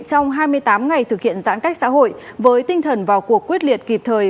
trong hai mươi tám ngày thực hiện giãn cách xã hội với tinh thần vào cuộc quyết liệt kịp thời